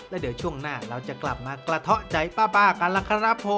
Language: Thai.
แล้วเดี๋ยวช่วงหน้าเราจะกลับมากระเทาะใจป้ากันล่ะครับผม